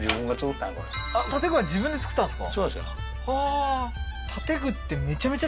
建具は自分で造ったんですか？